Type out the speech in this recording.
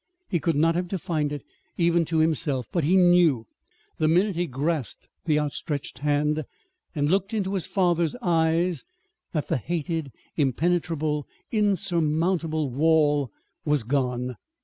He could not have defined it, even to himself; but he knew, the minute he grasped the outstretched hand and looked into his father's eyes, that the hated, impenetrable, insurmountable "wall" was gone.